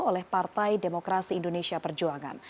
oleh partai demokrasi indonesia perjuangan